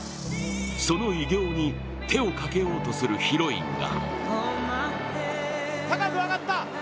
その偉業に手をかけようとするヒロインが。